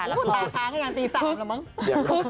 อุ้ยตากลางก็ยังตี๓แล้วมั้ง